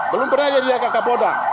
belum pernah jadi kapolda